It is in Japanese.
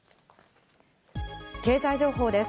経済情報です。